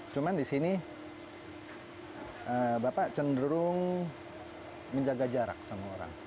cuma di sini bapak cenderung menjaga jarak sama orang